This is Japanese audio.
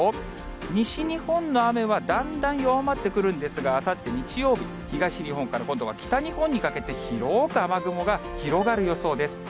西日本の雨はだんだん弱まってくるんですが、あさって日曜日、東日本から今度は北日本にかけて、広く雨雲が広がる予想です。